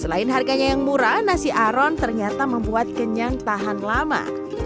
selain harganya yang murah nasi aron ternyata membuat kenyang tahan lama